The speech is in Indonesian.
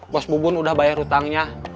bos bubun udah bayar utangnya